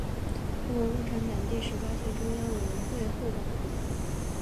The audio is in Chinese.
中国共产党第十八届中央委员会候补委员。